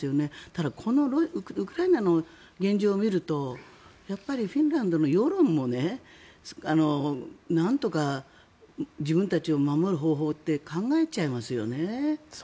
ただこのウクライナの現状を見るとやっぱり、フィンランドの世論もなんとか自分たちを守る方法って考えちゃいますよね。